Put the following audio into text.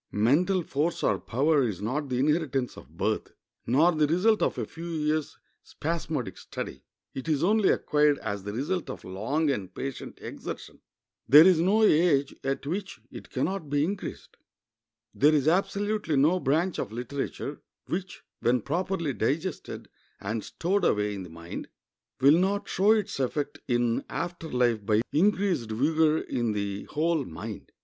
Mental force or power is not the inheritance of birth, nor the result of a few years' spasmodic study; it is only acquired as the result of long and patient exertion. There is no age at which it can not be increased. There is absolutely no branch of literature which, when properly digested and stowed away in the mind, will not show its effect in after life by increased vigor in the whole mind.